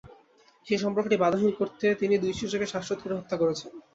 সেই সম্পর্কটি বাধাহীন করতে তিনি দুই শিশুকে শ্বাসরোধ করে হত্যা করেছেন।